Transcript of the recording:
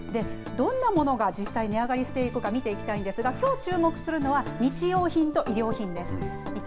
どんなものが実際、値上がりしていくか見ていきたいんですが、きょう注目するのは、日用品と衣料品です。